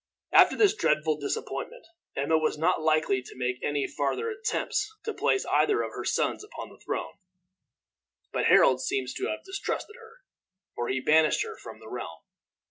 After this dreadful disappointment, Emma was not likely to make any farther attempts to place either of her sons upon the throne; but Harold seems to have distrusted her, for he banished her from the realm.